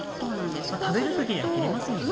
食べる時には切りますもんね。